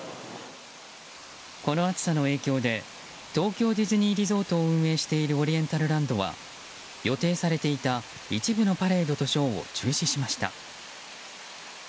この暑さの影響で東京ディズニーリゾートを運営しているオリエンタルランドは予定されていた一部のパレードとショーを中止しました。